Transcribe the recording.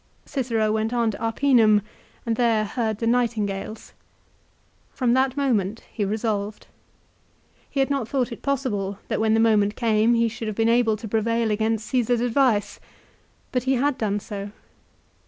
Cicero went on to Arpinum and there heard the nightingales. From that moment he resolved. He had not thought it possible that when the moment came he should have been able to prevail against Caesar's advice. But he had done so.